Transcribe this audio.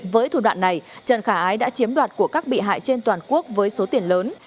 với thủ đoạn này trần khả ái đã chiếm đoạt của các bị hại trên toàn quốc với số tiền lớn